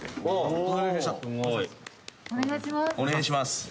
お願いします。